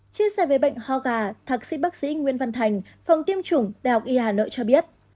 chia sẻ về bệnh hoa gà thạc sĩ bác sĩ nguyễn văn thành phòng tiêm chủng đh y hà nội cho biết